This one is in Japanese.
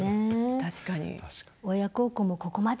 確かに。